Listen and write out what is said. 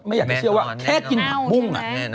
ไม่อยากเชื่อว่าแค่กินปล่อง